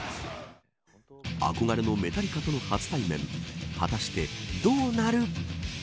憧れのメタリカとの初対面果たして、どうなる。